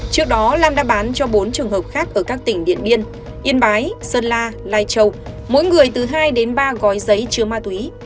trước đó lam đã bán cho bốn trường hợp khác ở các tỉnh điện biên yên bái sơn la lai châu mỗi người từ hai đến ba gói giấy chứa ma túy